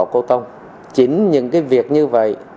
chính những việc như vậy